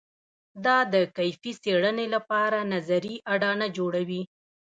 دا د کیفي څېړنې لپاره نظري اډانه جوړوي.